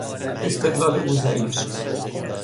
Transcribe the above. استدلال او ضعیف است.